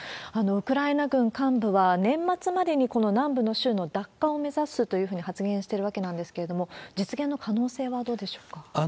ウクライナ軍幹部は、年末までにこの南部の州の奪還を目指すというふうに発言しているわけなんですけれども、実現の可能性はどうでしょうか？